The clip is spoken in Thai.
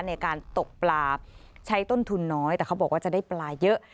ในการตกปลาใช้ต้นทุนน้อยแต่เขาบอกว่าจะได้ปลาเยอะ